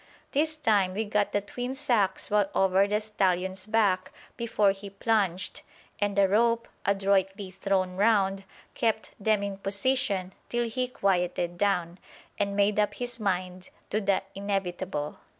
This time we got the twin sacks well over the stallion's back before he plunged, and a rope, adroitly thrown round, kept them in position till he quieted down and made up his mind to the inevitable.